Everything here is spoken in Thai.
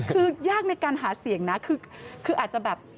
คือยากในการหาเสียงนะคืออาจจะแบบ